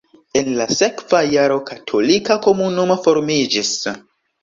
En la sekva jaro katolika komunumo formiĝis.